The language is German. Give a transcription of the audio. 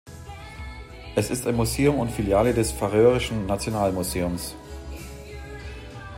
Es ist ein Museum und Filiale des färöischen Nationalmuseums.